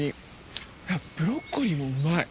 ブロッコリーもうまい。